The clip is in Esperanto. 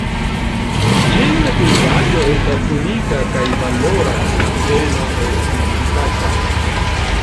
Ĝia pejzaĝo estas unika kaj valoras la peno esti vizitata.